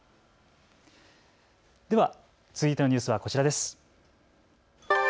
では続いてのニュースはこちらです。